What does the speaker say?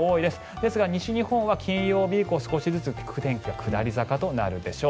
ですが、西日本は金曜日以降少しずつ天気が下り坂となるでしょう。